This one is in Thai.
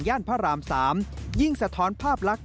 พระราม๓ยิ่งสะท้อนภาพลักษณ